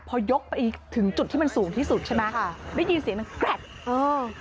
พอยกไปถึงจุดที่มันสูงที่สุดใช่ไหมค่ะได้ยินเสียงมันแกรดเออ